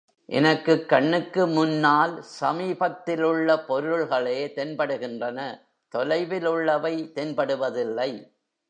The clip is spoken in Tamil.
எனக்குக் கண்ணுக்கு முன்னால் சமீபத்திலுள்ள பொருள்களே தென்படுகின்றன தொலைவிலுள்ளவை தென்படுவதில்லை.